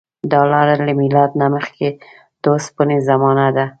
دا لاره له میلاد نه مخکې د اوسپنې زمانې ده.